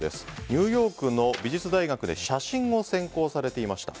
ニューヨークの美術大学で写真を専攻されていました。